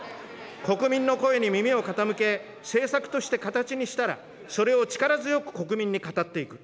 国民の声に耳を傾け、政策として形にしたら、それを力強く国民に語っていく。